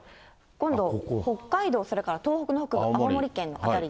今度、北海道、東北の北部、青森県の辺り、